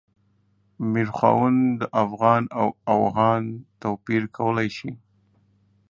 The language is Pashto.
میرخوند د افغان او اوغان توپیر کولای شي.